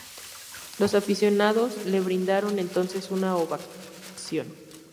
Los aficionados le brindaron entonces una ovación.